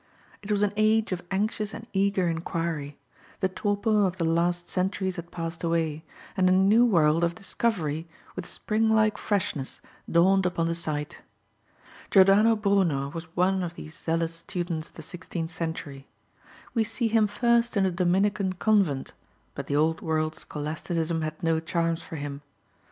It was an age of anxious and eager inquiry; the torpor of the last centuries had passed away; and a new world of discovery, with spring like freshness, dawned upon the sight. Jordano Bruno was one of these zealous students of the sixteenth century. We see him first in a Dominican convent, but the old world scholasticism had no charms for him.